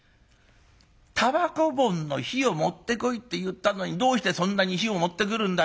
たばこ盆の火を持ってこいって言ったのにどうしてそんなに火を持ってくるんだよ。